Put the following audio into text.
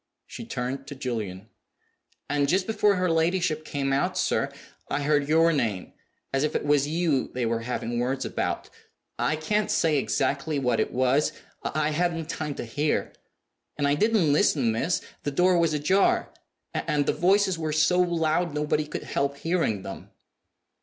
(She turned to Julian.) "And just before her ladyship came out, sir, I heard your name, as if it was you they were having words about. I can't say exactly what it was; I hadn't time to hear. And I didn't listen, miss; the door was ajar; and the voices were so loud nobody could help hearing them."